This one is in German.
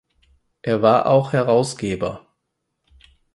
Er war auch Herausgeber.